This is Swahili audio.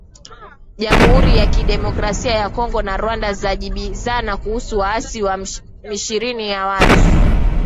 Jamuhuri ya kidemokrasia ya Kongo na Rwanda zajibizana kuhusu waasi wa M ishirni na tatu